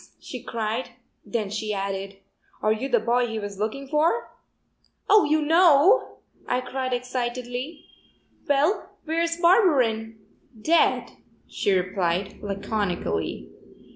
she cried, then she added: "Are you the boy he was looking for?" "Oh, you know?" I cried excitedly. "Well, where's Barberin?" "Dead," she replied, laconically.